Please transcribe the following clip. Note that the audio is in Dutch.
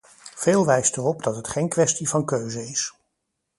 Veel wijst erop dat het geen kwestie van keuze is.